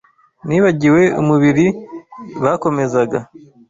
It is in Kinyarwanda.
Nibagiwe umubiri bakomezaga